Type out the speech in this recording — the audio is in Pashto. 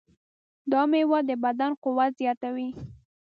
دا مېوه د بدن قوت زیاتوي.